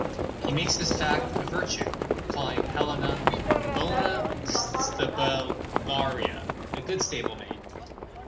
He makes this fact a virtue, calling Helena a "bona stabularia", a "good stable-maid".